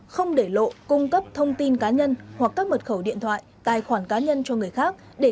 không để lộ cung cấp thông tin cá nhân hoặc các mật khẩu điện thoại tài khoản cá nhân cho người khác